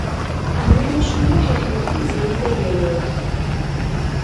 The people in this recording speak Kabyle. Ɛmiṛuc U Muḥ iḥemmel Tiziri Tagawawt.